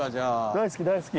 大好き大好き。